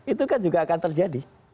itu kan juga akan terjadi